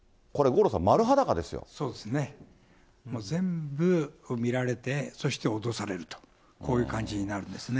そうですね、全部見られて、そして脅されると、こういう感じになるんですね。